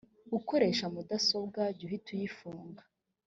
ukoresha mudasobwa jya uhita uyifunga